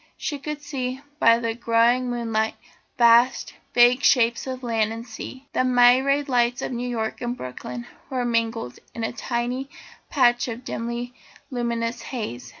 She could see, by the growing moonlight, vast, vague shapes of land and sea. The myriad lights of New York and Brooklyn were mingled in a tiny patch of dimly luminous haze.